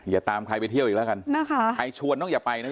อย่าตามใครไปเที่ยวอีกแล้วกันนะคะใครชวนต้องอย่าไปนะ